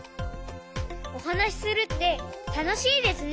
おはなしするってたのしいですね！